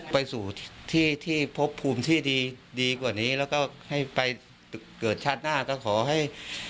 ไปสู่ที่ที่พบภูมิที่ดีดีกว่านี้แล้วก็ให้ไปเกิดชาติหน้าก็ขอให้